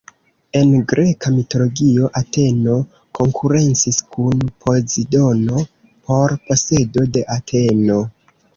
En Greka mitologio, Ateno konkurencis kun Pozidono por posedo de Ateno.